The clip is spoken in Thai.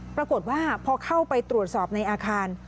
ปรากฏว่าพอเข้าไปตรวจสอบในอาคาร